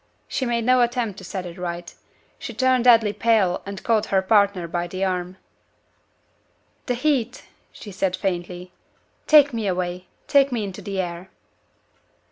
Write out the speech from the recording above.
She made no attempt to set it right she turned deadly pale and caught her partner by the arm. "The heat!" she said, faintly. "Take me away take me into the air!"